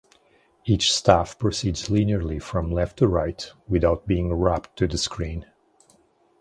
Each staff proceeds linearly from left to right, without being wrapped to the screen.